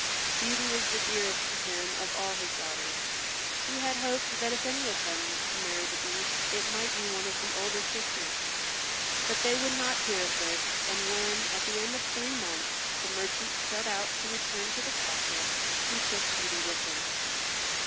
Beauty was the dearest to him of all his daughters. He had hoped that if any of them was to marry the Beast it might be one of the older sisters. But they would not hear of this and when, at the end of three months, the merchant set out to return to the castle he took Beauty with him.